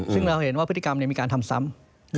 ซึ่งเราเห็นว่าพฤติกรรมมีการทำซ้ำ